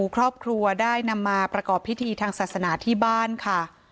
ครอบครัวได้นำมาประกอบพิธีทางศาสนาที่บ้านค่ะ